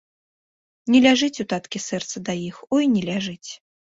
Не ляжыць у таткі сэрца да іх, ой не ляжыць!